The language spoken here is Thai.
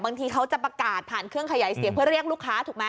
บางทีเขาจะประกาศผ่านเครื่องขยายเสียงเพื่อเรียกลูกค้าถูกไหม